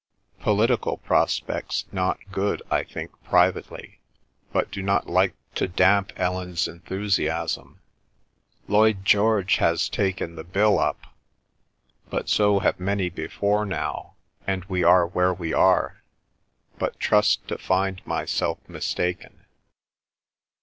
Political prospects not good, I think privately, but do not like to damp Ellen's enthusiasm. Lloyd George has taken the Bill up, but so have many before now, and we are where we are; but trust to find myself mistaken.